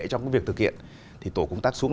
trong việc thực hiện thì tổ công tác xuống